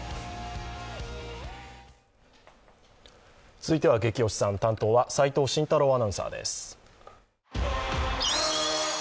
続いてはゲキ推しさん担当は齋藤慎太郎アナウンサーです。